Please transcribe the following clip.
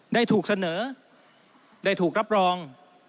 ได้ถูกเสนอได้ถูกรับรอง